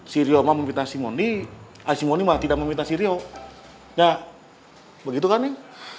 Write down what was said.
syirio mah meminta si mondi si mondi mah tidak meminta syirio ya begitu kan neng